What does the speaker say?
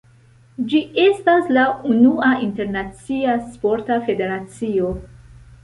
Ĝi estas la unua internacia sporta federacio.